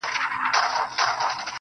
څه عجيبه شان سيتار کي يې ويده کړم,